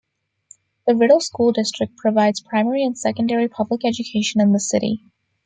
The Riddle School District provides primary and secondary public education in the city.